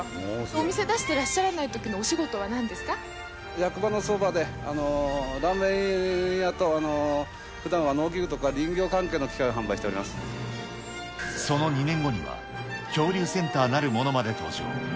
お店出してらっしゃらないと役場のそばで、ラーメン屋とふだんは農機具とか林業関係の機械を販売しておりまその２年後には、恐竜センターなるものまで登場。